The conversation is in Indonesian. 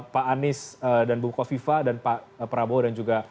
pak anies dan bungko viva dan pak prabowo dan juga prabowo